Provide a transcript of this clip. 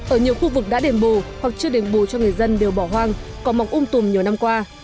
ở nhiều khu vực đã đền bù hoặc chưa đền bù cho người dân đều bỏ hoang có mọc um tùm nhiều năm qua